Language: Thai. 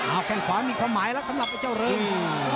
เอาแค่งขวามีความหมายแล้วสำหรับไอ้เจ้าเริง